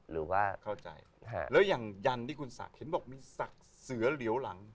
แล้วยัหนที่คุณสักเห็นบอกมีสักเสื้อเหลวหลัง